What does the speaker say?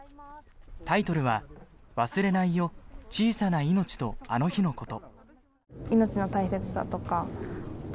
タイトルは「忘れないよ小さな命とあの日のこと」。